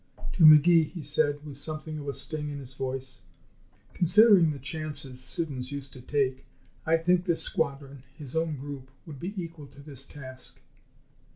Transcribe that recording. To McGee, he said, with something of a sting in his voice, "Considering the chances Siddons used to take, I'd think this squadron his own group would be equal to this task."